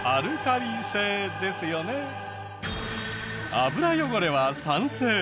油汚れは酸性。